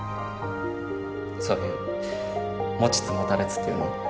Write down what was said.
そういう持ちつ持たれつっていうの？